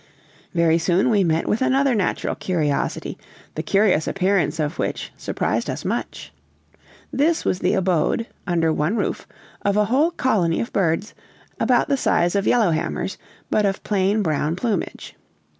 Very soon we met with another natural curiosity, the curious appearance of which surprised us much. This was the abode, under one roof, of a whole colony of birds, about the size of yellow hammers, but of plain brown plumage.